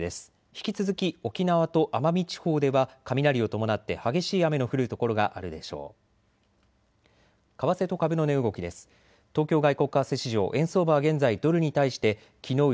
引き続き沖縄と奄美地方では雷を伴って激しい雨の降る所があるでしょう。